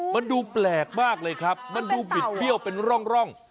มันดูแปลกมากเลยครับมันดูบิดเบี้ยวเป็นร่อง